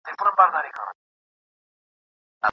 توري پرتې دي ایوب نه لري اکبر نه لري